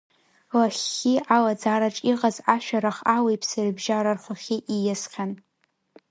Лахьхьи алаӡараҿ иҟаз ашәарах али-ԥси рыбжьара рхахьы ииасхьан.